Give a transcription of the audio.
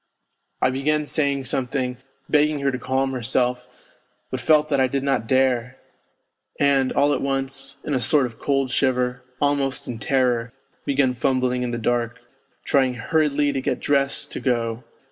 I began saying something, begging her to calm herself, but felt that I did not dare ; and all at once, in a sort of cold shiver, almost in terror, began fumbling in the dark, trying hurriedly to get dressed to go.